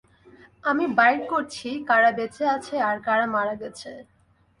আমি বাইর করছি, কারা বেঁচে আছে, আর কারা মারা গেছে।